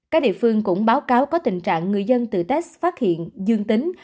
các địa phương cũng báo cáo có tình trạng người dân tự test phát hiện dương tính